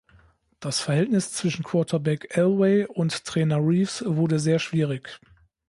Das Verhältnis zwischen Quarterback Elway und Trainer Reeves wurde sehr schwierig.